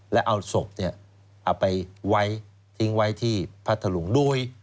แล้วเอาศพเนี่ยเอาไปไว้ทิ้งไว้ที่พัทลุงด้วย